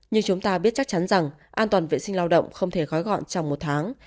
nhưng chúng ta biết chắc chắn rằng an toàn vệ sinh lao động không thể gói gọn trong một tháng